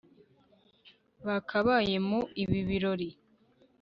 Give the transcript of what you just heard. bakabaye mu ibi biroli